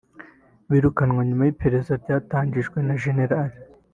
birukanywe nyuma y’iperereza ryatangijwe na Gen